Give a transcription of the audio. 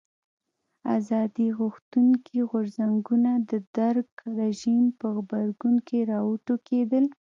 ازادي غوښتونکي غورځنګونه د درګ رژیم په غبرګون کې راوټوکېدل.